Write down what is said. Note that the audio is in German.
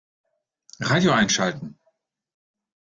Radio einschalten.